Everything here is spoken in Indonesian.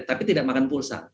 tapi tidak makan pulsa